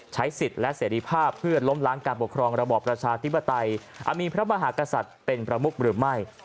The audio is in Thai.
ใช้สิทธิ์และเสรีภาพเพื่อล้มล้างการปกครองระบอบประชาธิปไตยอาจมีพระมหากษัตริย์เป็นประมุขหรือไม่